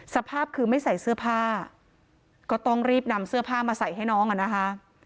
สภาพคือไม่ใส่เสื้อผ้าก็ต้องรีบนำเสื้อผ้ามาใส่ให้น้องอ่ะนะคะ